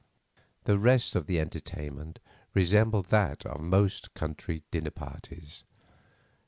The rest of the entertainment resembled that of most country dinner parties.